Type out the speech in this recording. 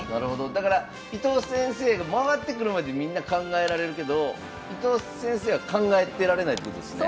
だから伊藤先生が回ってくるまでみんな考えられるけど伊藤先生は考えてられないってことですね？